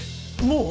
もう？